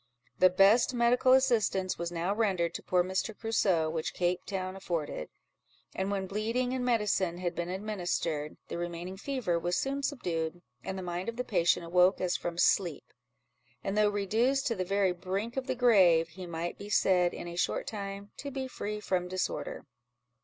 The best medical assistance was now rendered to poor Mr. Crusoe which Cape Town afforded; and when bleeding and medicine had been administered, the remaining fever was soon subdued, and the mind of the patient awoke as from sleep; and though reduced to the very brink of the grave, he might be said, in a short time, to be free from disorder.